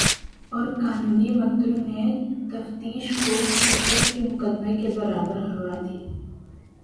اور قانونی مقتدروں نے تفتیش کو قتل کے مقدمے کے برابر ہوا دی